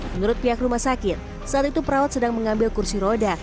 menurut pihak rumah sakit saat itu perawat sedang mengambil kursi roda